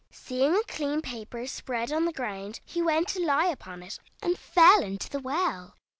Seeing a clean paper spread on the ground, he went to lie upon it, and fell into the well.